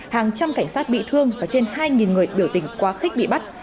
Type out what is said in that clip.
hàng trăm cảnh sát bị thương và trên hai người biểu tình quá khích bị bắt